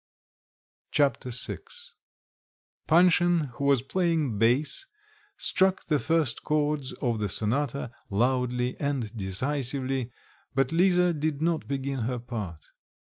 Chapter VI Panshin, who was playing bass, struck the first chords of the sonata loudly and decisively, but Lisa did not begin her part.